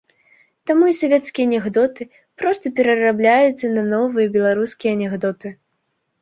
Таму і савецкія анекдоты проста перарабляюцца на новыя беларускія анекдоты.